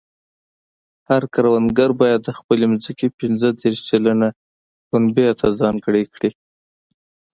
هر کروندګر باید د خپلې ځمکې پنځه دېرش سلنه پنبې ته ځانګړې کړي.